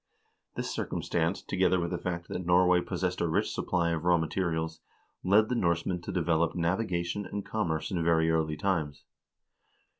This circumstance, together with the fact that Norway possessed a rich supply of raw materials, led the Norsemen to develop navigation and commerce in very early times.